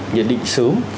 nhận định sớm